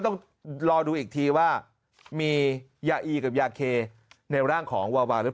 ต้องรอดูอีกทีว่ามียาอีกับยาเคในร่างของวาวาหรือเปล่า